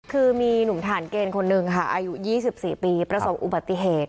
คือมีหนุ่มฐานเกณฑ์คนหนึ่งค่ะอายุ๒๔ปีประสบอุบัติเหตุ